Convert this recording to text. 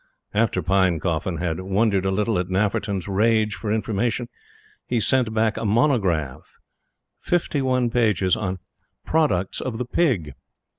After Pinecoffin had wondered a little at Nafferton's rage for information, he sent back a monograph, fifty one pages, on "Products of the Pig."